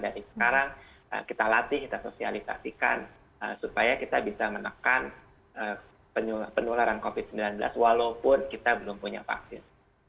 dari sekarang kita latih kita sosialisasikan supaya kita bisa menekan penularan covid sembilan belas walaupun kita belum punya vaksin